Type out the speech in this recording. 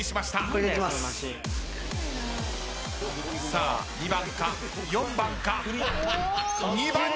さあ２番か４番か。